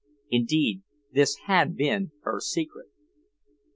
Indeed, this had been her secret.